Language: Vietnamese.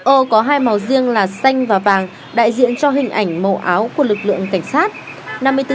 ô có hai màu riêng là xanh và vàng đại diện cho hình ảnh màu áo của lực lượng cảnh sát